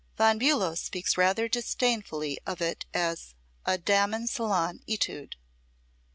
Von Bulow speaks rather disdainfully of it as a Damen Salon Etude.